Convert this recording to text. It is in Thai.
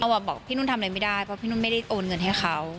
บอกพี่นุ่นทำอะไรไม่ได้เพราะพี่นุ่นไม่ได้โอนเงินให้เขา